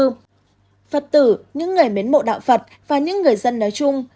phật tử những người mến mộ đạo phật và những người dân nói chung